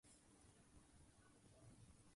The island is also a popular destination for cyclists.